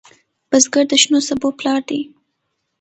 بزګر د شنو سبو پلار دی